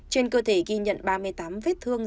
trên cơ thể ghi nhận ba mươi tám vết thương